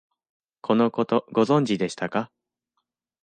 このこと、ご存知でしたか？